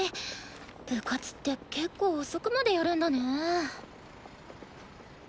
部活ってけっこう遅くまでやるんだね。